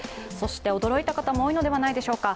驚いた方も多いのではないでしょうか。